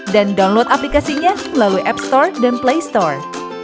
dan download aplikasinya melalui app store dan play store